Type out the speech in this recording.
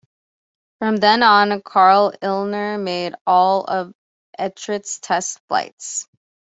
From then on, Karl Illner made all of Etrich's test flights.